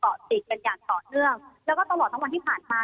ติดกันอย่างต่อเนื่องแล้วก็ตลอดทั้งวันที่ผ่านมา